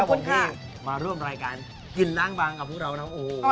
ขอบคุณค่ะที่มาร่วมรายการกินล้างบางกับพวกเราน้องโอ้โหโอ้โห